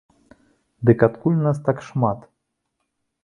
Дык адкуль нас так шмат?